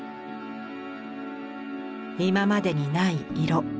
今までにない色